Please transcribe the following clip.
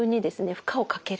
負荷をかける。